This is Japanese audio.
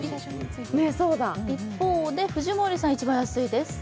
一方で藤森さん一番安いです。